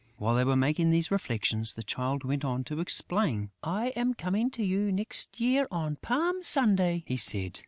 While they were making these reflections, the Child went on to explain: "I am coming to you next year, on Palm Sunday," he said.